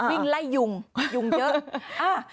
วิ่งไล่ยุงยุงเยอะ